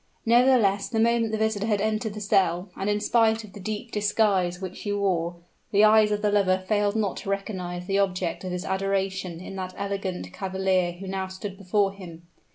Nevertheless the moment the visitor had entered the cell and in spite of the deep disguise which she wore, the eyes of the lover failed not to recognize the object of his adoration in that elegant cavalier who now stood before him.